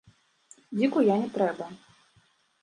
Дзіку я не трэба.